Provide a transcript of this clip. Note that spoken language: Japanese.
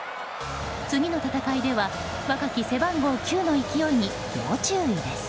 次の戦いでは若き背番号９の勢いに要注意です。